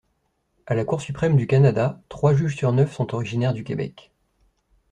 À la Cour suprême du Canada, trois juges sur neuf sont originaires du Québec.